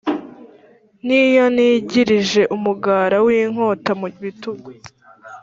N'iyo nigirije umugara w'inkota mu bitugu